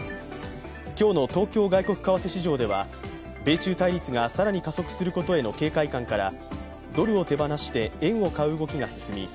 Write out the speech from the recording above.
今日の東京外国為替市場では米中対立が更に加速することへの警戒感からドルを手放して円を買う動きが進み